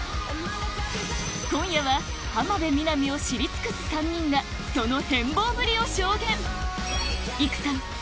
今夜は浜辺美波を知り尽くす３人がその変貌ぶりを証言はい。